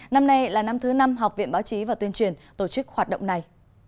năm nay là năm thứ năm học viện báo chí và tuyên truyền tổ chức hoạt động này